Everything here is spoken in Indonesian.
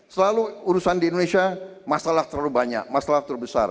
selalu urusan di indonesia masalah terlalu banyak masalah terbesar